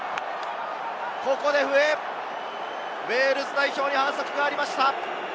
ここで笛、ウェールズ代表に反則がありました。